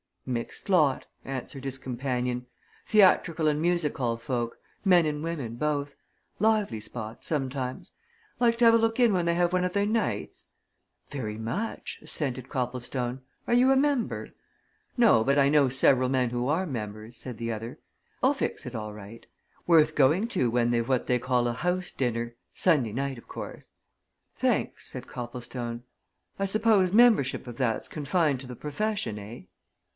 "Mixed lot!" answered his companion. "Theatrical and music hall folk men and women both. Lively spot sometimes. Like to have a look in when they have one of their nights?" "Very much," assented Copplestone. "Are you a member?" "No, but I know several men who are members," said the other. "I'll fix it all right. Worth going to when they've what they call a house dinner Sunday night, of course." "Thanks," said Copplestone. "I suppose membership of that's confined to the profession, eh?"